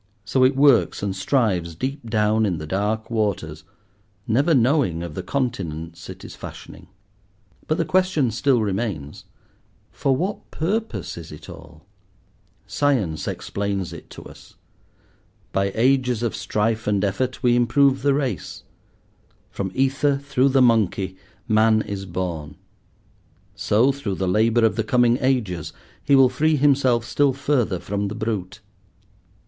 So it works and strives deep down in the dark waters, never knowing of the continents it is fashioning. But the question still remains: for what purpose is it all? Science explains it to us. By ages of strife and effort we improve the race; from ether, through the monkey, man is born. So, through the labour of the coming ages, he will free himself still further from the brute.